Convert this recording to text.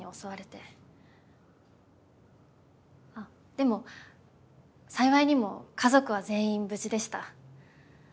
でも幸いにも家族は全員無事でした。